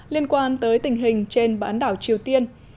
liên quan tới tình hình trên bán đảo triều tiên